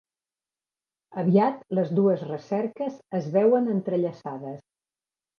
Aviat les dues recerques es veuen entrellaçades.